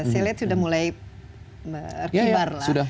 saya lihat sudah mulai berkibar lah